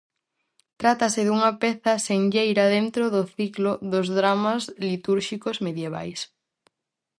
Trátase dunha peza senlleira dentro do ciclo dos dramas litúrxicos medievais.